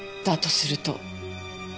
だとすると。